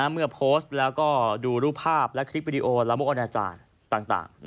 เมื่อโพสต์แล้วก็ดูรูปภาพและคลิปวิดีโอละมุกอนาจารย์ต่าง